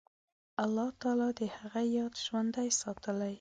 الله تعالی د هغه یاد ژوندی ساتلی.